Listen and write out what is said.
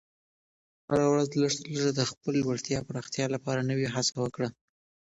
هره ورځ لږ تر لږه د خپلې وړتیا پراختیا لپاره نوې هڅه وکړه.